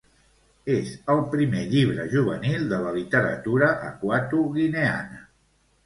És el primer llibre juvenil de la literatura equatoguineana.